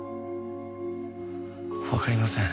わかりません。